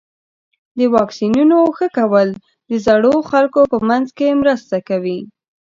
د واکسینونو ښه کول د زړو خلکو په منځ کې مرسته کوي.